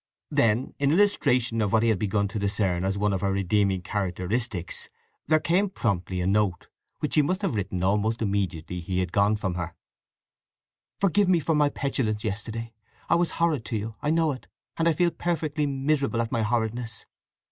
Then, in illustration of what he had begun to discern as one of her redeeming characteristics there came promptly a note, which she must have written almost immediately he had gone from her: Forgive me for my petulance yesterday! I was horrid to you; I know it, and I feel perfectly miserable at my horridness.